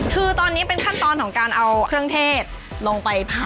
คือตอนนี้เป็นขั้นตอนของการเอาเครื่องเทศลงไปผัด